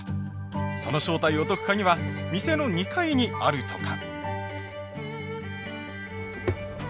その正体を解く鍵は店の２階にあるとか。